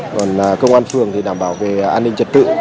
còn công an phường thì đảm bảo về an ninh trật tự